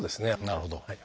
なるほど。